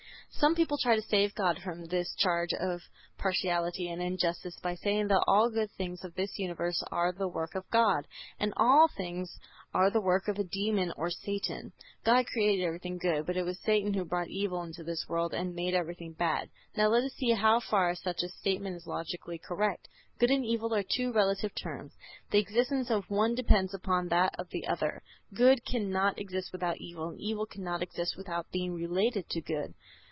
Some people try to save God from this charge of partiality and injustice by saying that all good things of this universe are the work of God, and all evil things are the work of a demon or Satan. God created everything good, but it was Satan who brought evil into this world and made everything bad. Now let us see how far such a statement is logically correct. Good and evil are two relative terms; the existence of one depends upon that of the other. Good cannot exist without evil, and evil cannot exist without being related to good.